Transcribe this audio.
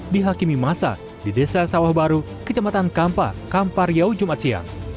di hakimi masa di desa sawah baru kecematan kampa kampar yau jumat siang